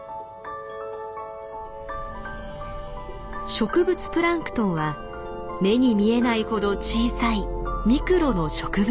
植物プランクトンは目に見えないほど小さいミクロの植物。